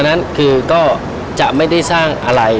นั้นคือก็จะไม่ได้สร้างอะไร